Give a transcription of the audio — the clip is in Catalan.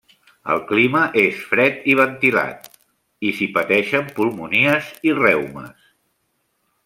El clima és fred i ventilat, i s'hi pateixen pulmonies i reumes.